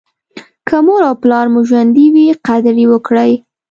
که مور او پلار مو ژوندي وي قدر یې وکړئ.